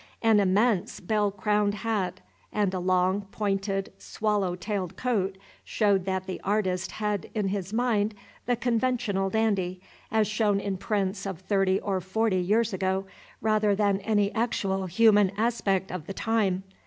An immense bell crowned hat, and a long, pointed, swallow tailed coat showed that the artist had in his mind the conventional dandy, as shown in prints of thirty or forty years ago, rather than any actual human aspect of the time.